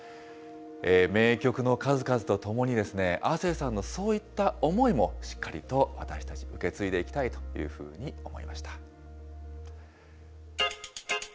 名曲の数々とともに、亜星さんのそういった思いも、しっかりと私たち、受け継いでいきたいというふうに思いました。